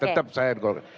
tetap saya golkar